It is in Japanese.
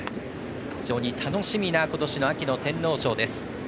非常に楽しみな今年の秋の天皇賞です。